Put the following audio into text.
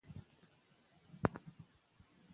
آیا ته غواړې چې د پښتو ژبې په تاریخ پوه شې؟